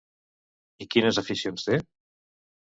I quines aficions té?